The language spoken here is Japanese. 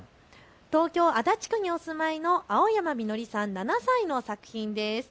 東京足立区にお住まいのあおやまみのりさん、７歳の作品です。